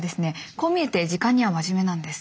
こう見えて時間には真面目なんです。